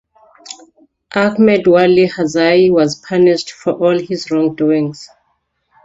Ahmed Wali Karzai was punished for all his wrongdoings.